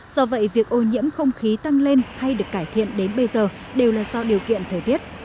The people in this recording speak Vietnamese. do vậy việc ô nhiễm không khí tăng lên hay được cải thiện đến bây giờ đều là do điều kiện thời tiết